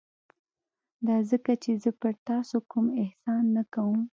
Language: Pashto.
دا ځکه چې زه پر تاسو کوم احسان نه کوم.